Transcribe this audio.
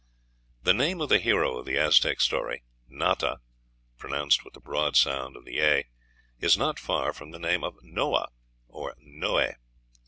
The name of the hero of the Aztec story, Nata, pronounced with the broad sound of the a, is not far from the name of Noah or Noe.